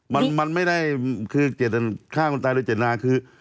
มันไม่ได้คือฆ่าคนตายโดยเจ็ดหนาคือ